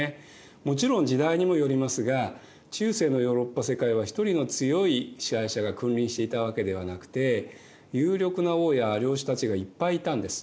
もちろん時代にもよりますが中世のヨーロッパ世界は一人の強い支配者が君臨していたわけではなくて有力な王や領主たちがいっぱいいたんです。